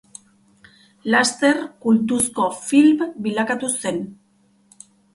Laster kultuzko film bilakatu zen.